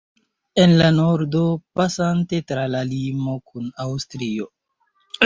En la nordo, pasante tra la limo kun Aŭstrio.